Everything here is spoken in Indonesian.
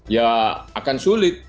ya akan sulit